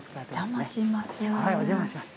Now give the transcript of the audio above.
お邪魔します。